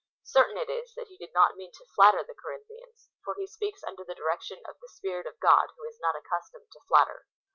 Certain it is, that he did not mean to flatter the Corinthians, for he speaks under the direction of the Spirit of God, who is not accustomed to flatter.